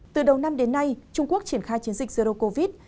từ đầu năm đến nay trung quốc triển khai chiến dịch zero covid